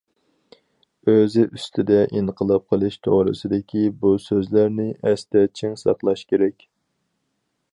ئۆزى ئۈستىدە ئىنقىلاب قىلىش توغرىسىدىكى بۇ سۆزلەرنى ئەستە چىڭ ساقلاش كېرەك!